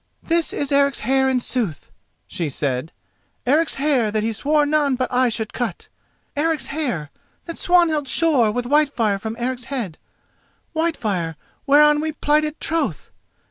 "This is Eric's hair in sooth," she said—"Eric's hair that he swore none but I should cut! Eric's hair that Swanhild shore with Whitefire from Eric's head—Whitefire whereon we plighted troth!